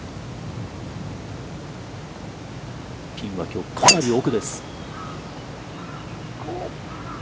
ピンは、きょう、かなり奥です。